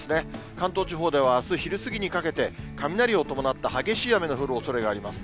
関東地方ではあす昼過ぎにかけて、雷を伴った激しい雨の降るおそれがあります。